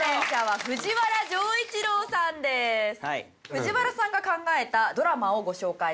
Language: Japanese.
藤原さんが考えたドラマをご紹介します。